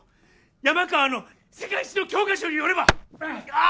山川の世界史の教科書によれば。